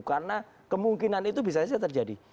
karena kemungkinan itu bisa saja terjadi